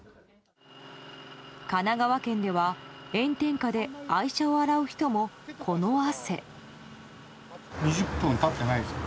神奈川県では、炎天下で愛車を洗う人もこの汗。